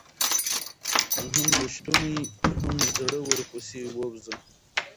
هم ريښتونى هم زړه ور ورپسي ووزه